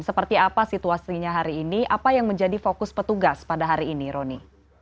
seperti apa situasinya hari ini apa yang menjadi fokus petugas pada hari ini roni